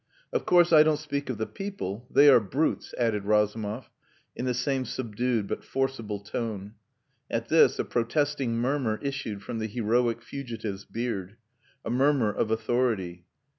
"Of course I don't speak of the people. They are brutes," added Razumov, in the same subdued but forcible tone. At this, a protesting murmur issued from the "heroic fugitive's" beard. A murmur of authority.